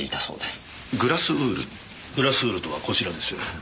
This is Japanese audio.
グラスウールとはこちらです。